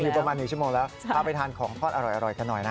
ประมาณ๑ชั่วโมงแล้วพาไปทานของทอดอร่อยกันหน่อยนะ